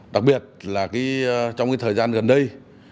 đặc biệt là trong thời gian gần đây